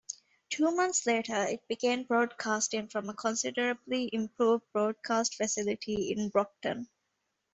Two months later, it began broadcasting from a considerably improved broadcast facility in Brockton.